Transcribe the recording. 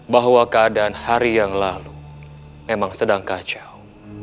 bahwa keadaan hari yang lalu memang sedang kacau